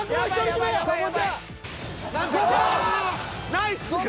ナイス！